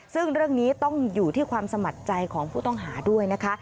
ซึ่งเรื่องนี้ต้องอยู่ที่ความสมัครใจของผู้ต้องหาด้วยนะคะ